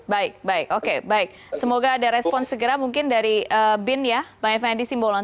baik baik oke baik semoga ada respon segera mungkin dari bin ya bang effendi simbolon